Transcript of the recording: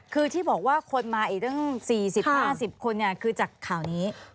คือที่บอกว่าคนมาอีกตั้ง๔๐๕๐คนคือจากข่าวนี้